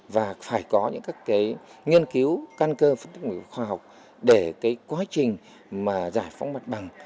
và phải có những các cái nghiên cứu căn cơ phân tích nguyên khoa học để cái quá trình mà giải phóng mặt bằng